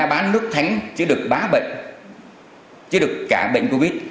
người ta bán nước thánh chứ được bá bệnh chứ được cả bệnh covid